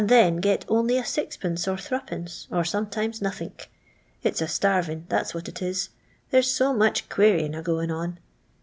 then get only a sixpence or threepence, and sometimes nothink. It's a starvin', that's what it it; there's so much ' querying ' argoin' on.